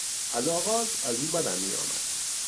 از آغاز از او بدم می آمد.